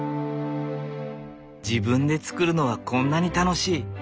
自分で作るのはこんなに楽しい！